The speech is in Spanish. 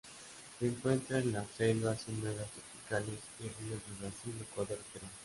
Se encuentra en las selvas húmedas tropicales y ríos de Brasil, Ecuador y Perú.